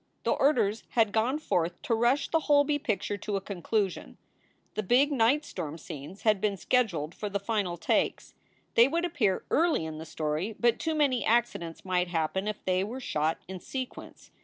The orders had gone forth to rush the Holby picture to a conclusion. The big night storm scenes had been scheduled for the final takes. They would appear early in the story, but too many accidents might happen if they were shot in sequence.